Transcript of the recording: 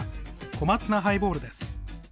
小松菜ハイボールです。